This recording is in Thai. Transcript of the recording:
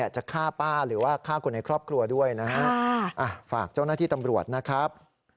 จะฆ่าป้าหรือว่าฆ่าคนในครอบครัวด้วยนะฮะฝากเจ้าหน้าที่ตำรวจนะครับ